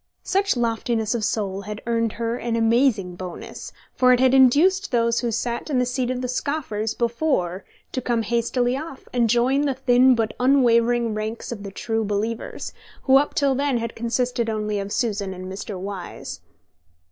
Such loftiness of soul had earned her an amazing bonus, for it had induced those who sat in the seat of the scoffers before to come hastily off, and join the thin but unwavering ranks of the true believers, who up till then had consisted only of Susan and Mr. Wyse.